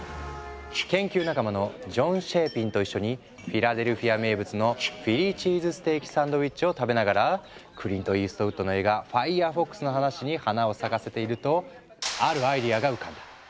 研究仲間のジョン・シェーピンと一緒にフィラデルフィア名物のフィリー・チーズステーキ・サンドイッチを食べながらクリント・イーストウッドの映画「ファイヤーフォックス」の話に花を咲かせているとあるアイデアが浮かんだ。